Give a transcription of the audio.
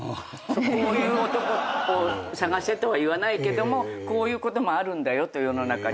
こういう男を探せとは言わないけどもこういうこともあるんだよと世の中には。それは教えだから。